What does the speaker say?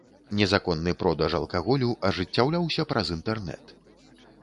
Незаконны продаж алкаголю ажыццяўляўся праз інтэрнэт.